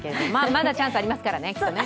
まだチャンスありますからね、きっとね。